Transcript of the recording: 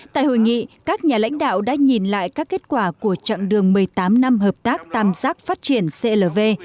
tại hội nghị các nhà lãnh đạo đã nhìn lại các kết quả của chặng đường một mươi tám năm hợp tác tam giác phát triển clv